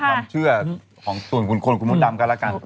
ความเชื่อของส่วนคุณคนคุณมดดำกันแล้วกัน